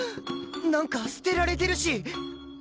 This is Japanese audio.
なんか捨てられてるし！